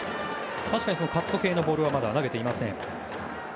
確かにカット系のボールはまだ投げていません。